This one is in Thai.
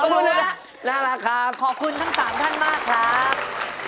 ขอบคุณนะน่ารักครับขอบคุณทั้ง๓ท่านมากครับสวัสดี